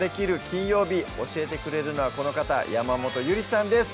金曜日」教えてくれるのはこの方山本ゆりさんです